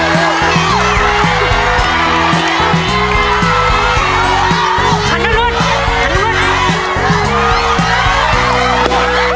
เร็วลูกเร็ว